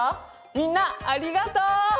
みんなありがとう。